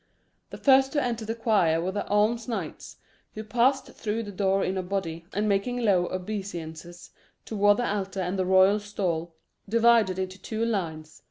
The first to enter the choir were the alms knights, who passed through the door in a body, and making low obeisances toward the altar and the royal stall, divided into two lines.